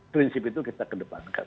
prinsip itu kita kedepankan